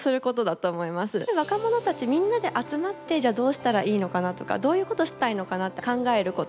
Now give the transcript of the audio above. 若者たちみんなで集まってじゃあどうしたらいいのかなとかどういうことしたいのかなって考えること。